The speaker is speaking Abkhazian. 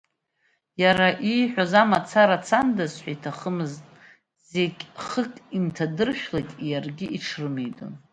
Иара ииҳәоз амацара цандаз ҳәа иҭахымызт, зегь хык ианҭадыршәлак иаргьы иҽрымеидон.